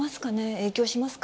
影響しますか。